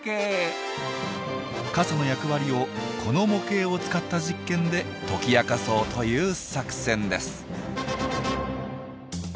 傘の役割をこの模型を使った実験で解き明かそうという作戦です。